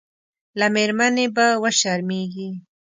له مېرمنې به وشرمېږي.